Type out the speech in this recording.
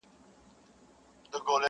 سر تر نوکه لا خولې پر بهېدلې.!